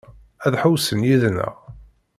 Ad ḥewwsen yid-neɣ?